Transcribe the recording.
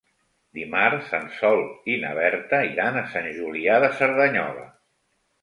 Dimarts en Sol i na Berta iran a Sant Julià de Cerdanyola.